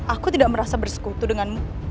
aku tidak merasa bersekutu denganmu